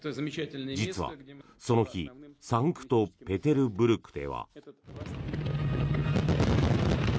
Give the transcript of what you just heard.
実は、その日サンクトペテルブルクでは。